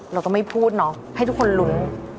เราก็ไม่พูดเนาะให้ทุกคนลุ้น